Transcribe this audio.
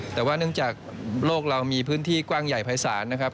แต่ว่าเนื่องจากโลกเรามีพื้นที่กว้างใหญ่ภายศาลนะครับ